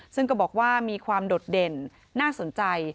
ซึ่งก็บอกว่ามีความโดดเด่นน่าสนใจ